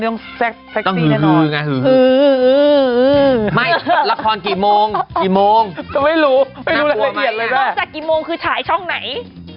ไม่รู้ไรเยี่ยดตอนย์กี่โมงคือถ่ายช่องไหน